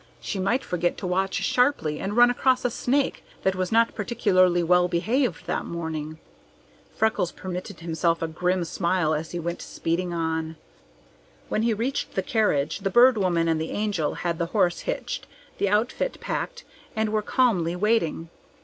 She might forget to watch sharply and run across a snake that was not particularly well behaved that morning. Freckles permitted himself a grim smile as he went speeding on. When he reached the carriage, the Bird Woman and the Angel had the horse hitched, the outfit packed, and were calmly waiting.